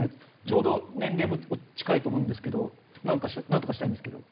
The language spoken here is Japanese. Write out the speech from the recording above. ちょうど年齢も近いと思うんですけどなんかなんとかしたいんですけど。